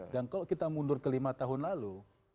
dan kalau kita mundur ke lima tahun lalu